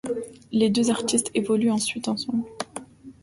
Les deux artistes évoluent ensuite ensemble.